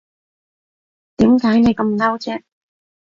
點解你咁嬲啫